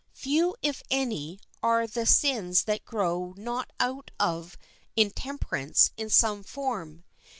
Few, if any, are the sins that grow not out of intemperance in some form.